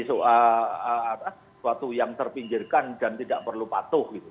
suatu yang terpinggirkan dan tidak perlu patuh gitu